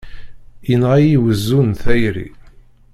Yenɣa-yi wezzu n tayri!